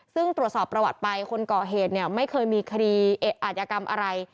ซึ่งตรวจสอบประวัติไปคนก่อเหตุเนี่ยไม่เคยมีคดีอาจยกรรมอะไร